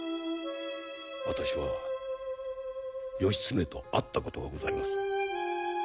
私は義経と会ったことがございます。